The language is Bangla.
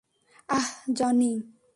আহ, জনি?